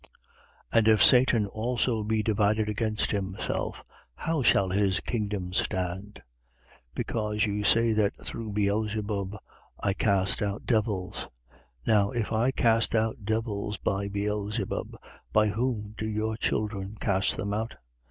11:18. And if Satan also be divided against himself, how shall his kingdom stand? Because you say that through Beelzebub I cast out devils. 11:19. Now if I cast out devils by Beelzebub, by whom do your children cast them out?